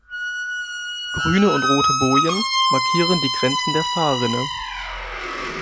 Grüne und rote Bojen markieren die Grenzen der Fahrrinne.